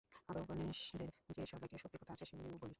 আবার উপনিষদের যে-সব বাক্যে শক্তির কথা আছে, সেগুলিই বলি।